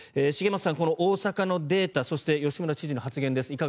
茂松さん、大阪のデータそして吉村知事の発言です。